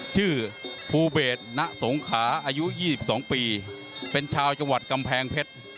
ชื่อภูเบศณสงขาอายุ๒๒ปีเป็นชาวจังหวัดกำแพงเพชร